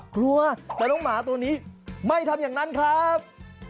กลัวแต่น้องหมาตัวนี้ไม่ทำอย่างนั้นครับ